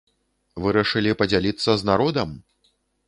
Вырашылі падзяліцца з народам?